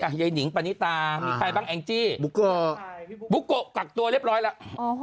ยายนิงปณิตามีใครบ้างแองจี้บุโกบุโกะกักตัวเรียบร้อยแล้ว